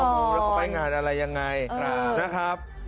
แล้วเขาไปงานอะไรยังไงนะครับ